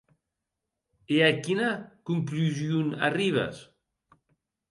E a quina conclusion arribes?